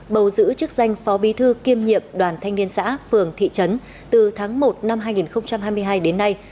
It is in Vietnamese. bầu giữ chức danh phó bí thư kiêm nhiệm đoàn thanh niên xã phường thị trấn từ tháng một năm hai nghìn hai mươi hai đến nay